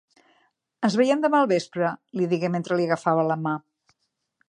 "Ens veiem demà al vespre", li digué mentre li agafava la mà.